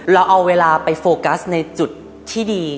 เราเอาเวลาไปโฟกัสในจุดที่ดี